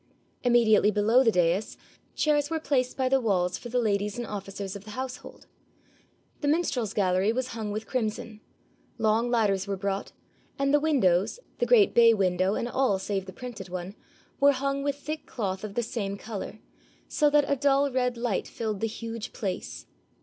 Immediately below the dais, chairs were placed by the walls for the ladies and officers of the household. The minstrels' gallery was hung with crimson; long ladders were brought, and the windows, the great bay window and all save the painted one, were hung with thick cloth of the same colour, so that a dull red light filled the huge place.